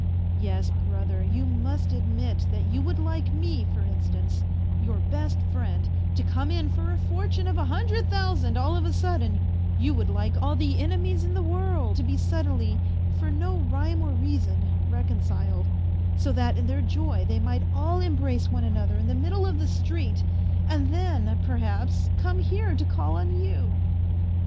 ... Yes, brother, you must admit that you would like me, for instance, your best friend, to come in for a fortune of a hundred thousand all of a sudden, you would like all the enemies in the world to be sud denly, for no rhyme or reason, reconciled, so that in their joy they might all embrace one another in the middle of the street, and A FAINT HEART 185 then, perhaps, come here to call on you.